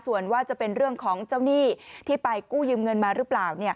ส่วนว่าจะเป็นเรื่องของเจ้าหนี้ที่ไปกู้ยืมเงินมาหรือเปล่า